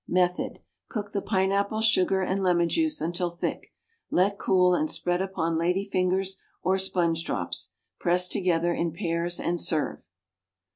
Method. Cook the pineapple, sugar and lemon juice until thick; let cool, and spread upon lady fingers or sponge drops. Press together in pairs and serve.